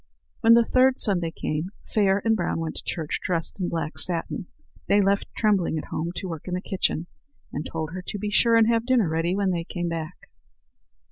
When the third Sunday came, Fair and Brown went to church dressed in black satin. They left Trembling at home to work in the kitchen, and told her to be sure and have dinner ready when they came back.